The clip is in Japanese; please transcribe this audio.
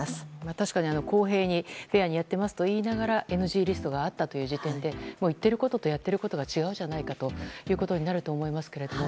確かに公平に、フェアにやっていますと言いながらＮＧリストがあったという時点でもう、言っていることとやっていることが違うじゃないかというふうになると思いますけれども。